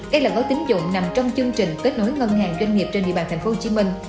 đây là gói tính dụng nằm trong chương trình kết nối ngân hàng doanh nghiệp trên địa bàn tp hcm